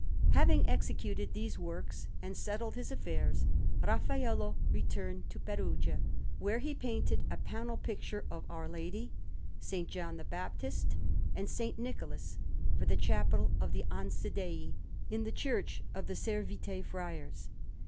Having executed these works and settled his affairs, Raffaello returned to Perugia, where he painted a panel picture of Our Lady, S. John the Baptist, and S. Nicholas, for the Chapel of the Ansidei in the Church of the Servite Friars.